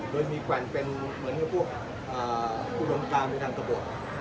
โดยมีแปลงเป็นเหมือนกับพวกคุณลงกลางในทางตะบุก